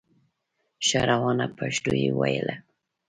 ښه روانه پښتو یې ویله